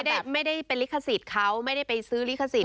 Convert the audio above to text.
ไม่ได้เป็นลิขสิทธิ์เขาไม่ได้ไปซื้อลิขสิท